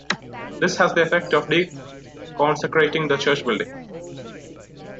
This has the effect of deconsecrating the church building.